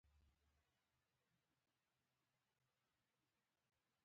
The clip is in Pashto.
پوخ اخلاق خلک راجذبوي